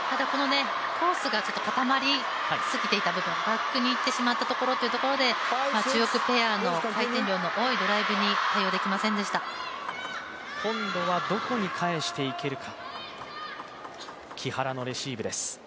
コースがかたまり過ぎていた部分、バックにいってしまったというところで、中国ペアの回転量の多いドライブに今度はどこに返していけるか。